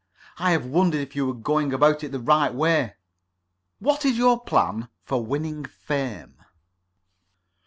I have wondered if you were going about it in the right way. What is your plan for winning fame?"